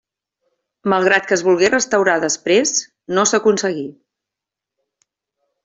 Malgrat que es volgué restaurar després, no s'aconseguí.